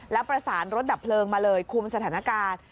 แล้วประสานรถดับเพลิงมาเลยคุมสถานการณ์